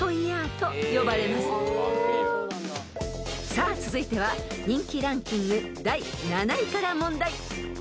［さあ続いては人気ランキング第７位から問題］